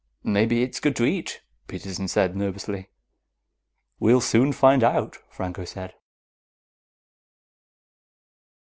"Maybe it's good to eat," Peterson said nervously. "We'll soon find out," Franco said.